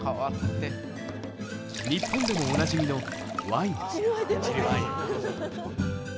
日本でもおなじみのワイン。